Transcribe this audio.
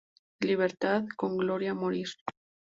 ¡Libertad o con gloria morir!